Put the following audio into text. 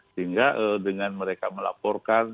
sehingga dengan mereka melaporkan